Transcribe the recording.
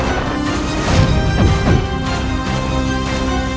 ibuku sudah dibunuh oleh ayamu